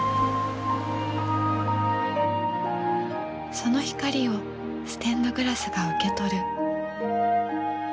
その光をステンドグラスが受け取る。